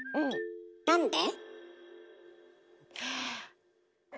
なんで？